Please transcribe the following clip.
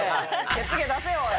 ケツ毛出せよ！おい。